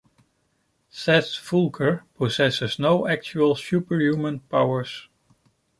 Seth Voelker possesses no actual superhuman powers.